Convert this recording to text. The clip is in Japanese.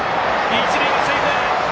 一塁はセーフ！